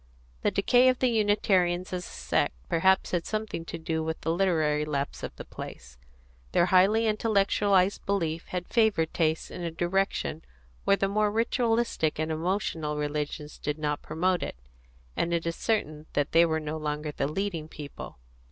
The decay of the Unitarians as a sect perhaps had something to do with the literary lapse of the place: their highly intellectualised belief had favoured taste in a direction where the more ritualistic and emotional religions did not promote it: and it is certain that they were no longer the leading people.